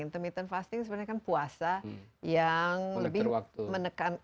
intermittent fasting sebenarnya kan puasa yang lebih menekan